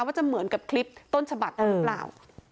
ว่าจะเหมือนกับคลิปต้นฉบับกันหรือเปล่า